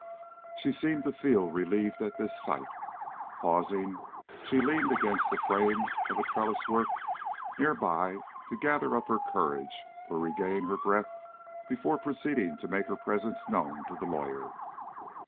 She seemed to feel relieved at this sight. Pausing, she leaned against the frame of a trellis work near by to gather up her courage or regain her breath before proceeding to make her presence known to the lawyer.